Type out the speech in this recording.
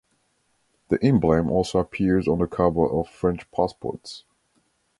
The emblem also appears on the cover of French passports.